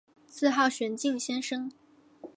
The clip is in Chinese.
自号玄静先生。